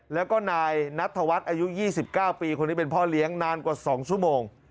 แล้วก็นายนัตฑวัฏอายุ๒๐ปีเป็นพ่อเลี้ยงนานกว่า๒ชั่วโมง